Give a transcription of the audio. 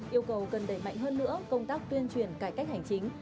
yêu cầu cần đẩy mạnh hơn nữa công tác tuyên truyền cải cách hành chính